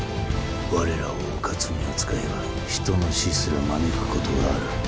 我らをうかつに扱えば人の死すら招くことがある。